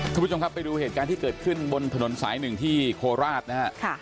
คุณผู้ชมครับไปดูเหตุการณ์ที่เกิดขึ้นบนถนนสายหนึ่งที่โคราชนะฮะ